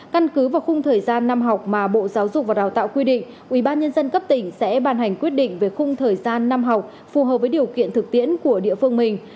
căn cứ vào khung thời gian năm học mà bộ giáo dục và đào tạo quy định ubnd cấp tỉnh sẽ ban hành quyết định về khung thời gian năm học phù hợp với điều kiện thực tiễn của địa phương mình